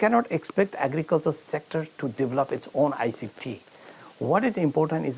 anda tidak bisa menghargai sektor pertanian untuk membangun sistem pertanian